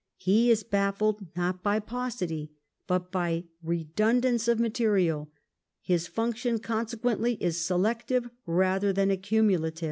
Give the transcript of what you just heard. He js bafHed not by paucity, but by redundance of material. His function, consequently, is selective rather than accumulative.